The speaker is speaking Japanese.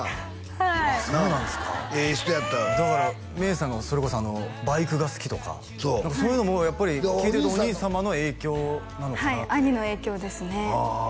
はいなあええ人やったよだから芽郁さんがそれこそあのバイクが好きとか何かそういうのもやっぱり聞いてるとお兄様の影響なのかなってはい兄の影響ですねああ